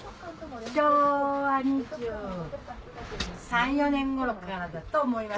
昭和２３２４年ごろからだと思います。